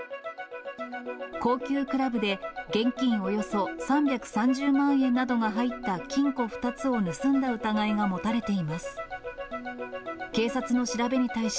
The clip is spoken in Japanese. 高級クラブで現金およそ３３０万円などが入った金庫２つを盗んだ疑いが持たれています。